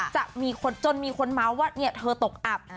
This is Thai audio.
จะมีคนจนมีคนเมาส์ว่าเธอตกอับ